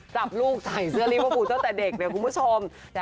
จับลูกใส่เสื้อรีโว้คภูเจ้าแต่เด็กนะครับคุณผู้ชม